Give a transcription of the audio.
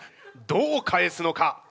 どう返すのか？